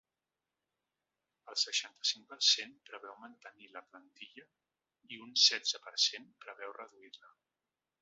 El setanta-cinc per cent preveu mantenir la plantilla i un setze per cent preveu reduir-la.